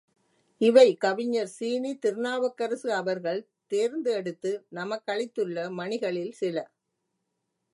இவை கவிஞர் சீனி திருநாவுக்கரசு அவர்கள் தேர்ந்து எடுத்து நமக்களித்துள்ள மணிகளில் சில.